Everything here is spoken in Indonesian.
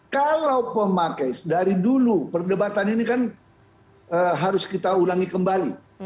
kalau pemakai dari dulu perdebatan ini kan harus kita ulangi kembali